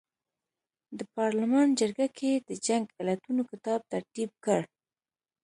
د پارلمان جرګه ګۍ د جنګ علتونو کتاب ترتیب کړ.